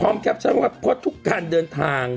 แคปชั่นว่าเพราะทุกการเดินทาง